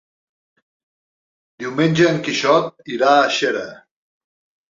Diumenge en Quixot irà a Xera.